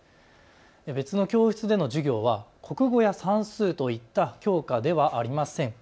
別の教室での授業は国語や算数といった教科ではありません。